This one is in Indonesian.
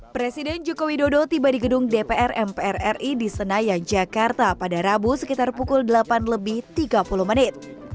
presiden joko widodo tiba di gedung dpr mpr ri di senayan jakarta pada rabu sekitar pukul delapan lebih tiga puluh menit